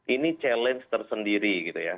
ini challenge tersendiri gitu ya